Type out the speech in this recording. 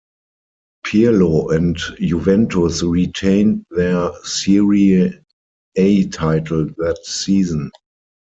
Pirlo and Juventus retained their Serie A title that season.